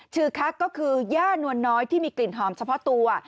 คักก็คือย่านวลน้อยที่มีกลิ่นหอมเฉพาะตัว